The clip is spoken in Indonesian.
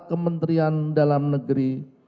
kementerian dalam negeri